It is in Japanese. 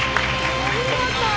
お見事！